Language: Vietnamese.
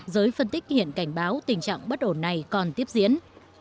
giới phân tích hiện cảnh báo tình trạng bất ổn này còn tiếp diễn